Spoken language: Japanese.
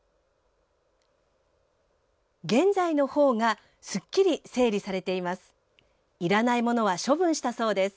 現在のほうがすっきり整理されています。